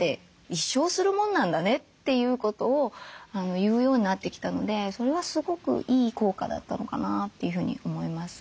「一生するもんなんだね」ということを言うようになってきたのでそれはすごくいい効果だったのかなというふうに思います。